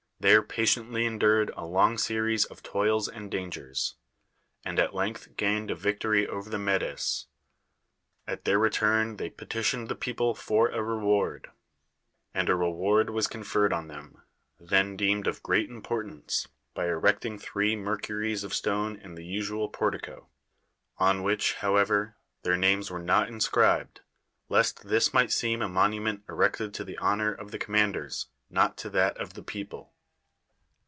thci e ]>atiently endured a loni: series of toils and dancers, and at lenirth iraincHl a vic tory over the IMedes. At their retni n they pe titioned the people for a nnvard: and a reward was conferred on them fthcn dcmed of irreat importance) by erect incr three ^Mercuries of stone in the usual portico, on which, however, their names were not inscribed, lest this misxht seem a monunirnt erc'tt d to the honor of the com manders, not to fh.at of the people.